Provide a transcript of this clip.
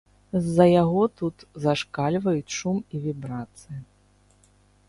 З-за яго тут зашкальваюць шум і вібрацыя.